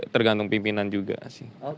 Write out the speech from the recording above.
tergantung pimpinan juga sih